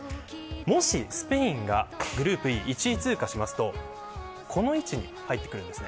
もしスペインがグループＥ１位通過するとこの位置に入ります。